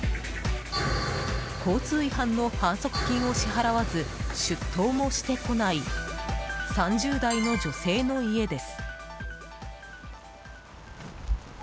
交通違反の反則金を支払わず出頭もしてこない３０代の女性の家です。